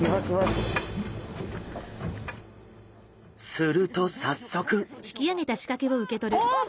すると早速！おっ！